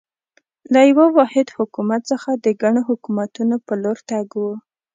له یوه واحد حکومت څخه د ګڼو حکومتونو په لور تګ و.